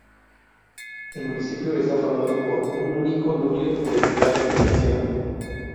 El municipio está formado por un único núcleo o entidad de población.